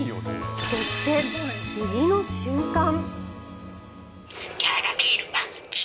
そして、次の瞬間。